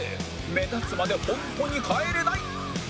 目立つまで本当に帰れない